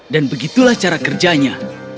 dan begitulah cara kerjanya